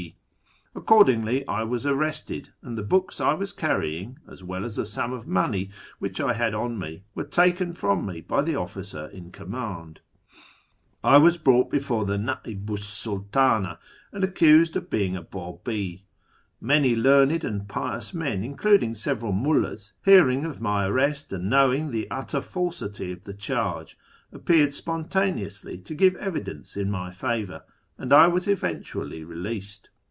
Accordingly I was arrested, and the books I was carrying, as well as a sum of money which I had on me, were taken from me by the officer in command. I was brought before the Nd'ihu 's Saltana and accused of being a Babi. Many learned and pious men, including several mullds, hearing of my arrest, and knowing the utter falsity of the charge, appeared spon taneously to give evidence in my favour, and I was eventu ally released.